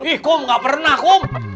ih kum gak pernah kum